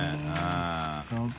そうか。